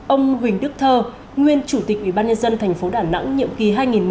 ông huỳnh đức thơ nguyên chủ tịch ủy ban nhân dân thành phố đà nẵng nhiệm kỳ hai nghìn một mươi sáu hai nghìn hai mươi một